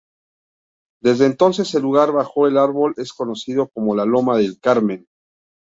Desde entonces, el lugar bajo el árbol es conocido como la "Loma del Carmen".